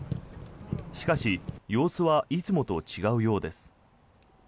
しかし、様子はいつもと違うようです。